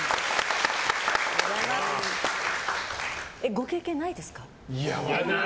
○！ご経験ないですか？